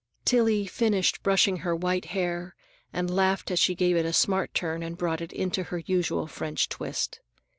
Tillie finished brushing her white hair and laughed as she gave it a smart turn and brought it into her usual French twist.